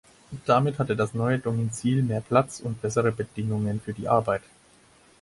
Damit hatte das neue Domizil mehr Platz und bessere Bedingungen für die Arbeit.